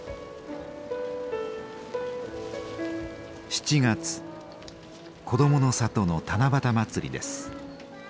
７月「こどもの里」の七夕祭りです。